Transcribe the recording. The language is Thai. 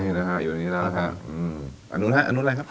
นี่นะฮะอยู่ในนี้แล้วนะฮะอืมอันนู้นฮะอันนู้นอะไรครับ